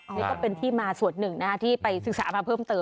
นี่ก็เป็นที่มาส่วนหนึ่งที่ไปศึกษามาเพิ่มเติม